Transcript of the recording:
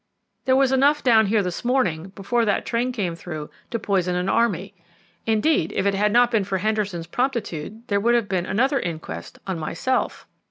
There was enough down here this morning, before that train came through, to poison an army. Indeed, if it had not been for Henderson's promptitude, there would have been another inquest on myself."